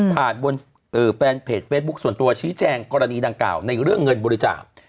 ผ่านบนแฟนเพจเฟซบุ๊คส่วนตัวชี้แจงกรณีดังกล่าวในเรื่องเงินบริจาค